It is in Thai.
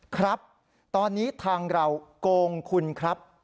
ครับตอนนี้ทางเราโกงคุณครับ